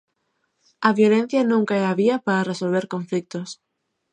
A violencia nunca é a vía para resolver conflitos.